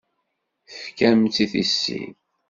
Tefkamt-tt i tissit.